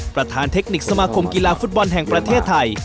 ประธานเทคนิคสมาคมกีฬาฟุตบอลแห่งประเทศไทย